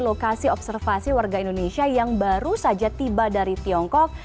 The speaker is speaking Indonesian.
lokasi observasi warga indonesia yang baru saja tiba dari tiongkok